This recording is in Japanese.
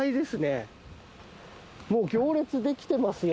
もう行列できてますよ